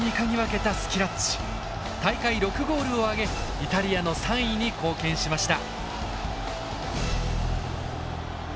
大会６ゴールを挙げイタリアの３位に貢献しました。